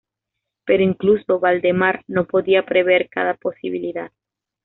Pero incluso Valdemar no podía prever cada posibilidad.